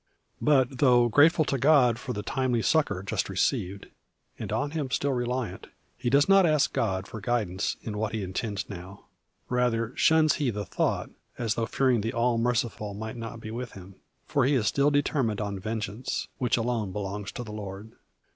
But though grateful to God for the timely succour just received, and on Him still reliant, he does not ask God for guidance in what he intends now. Rather, shuns he the thought, as though fearing the All Merciful might not be with him. For he is still determined on vengeance, which alone belongs to the Lord.